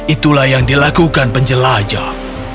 itulah yang dilakukan penjelajah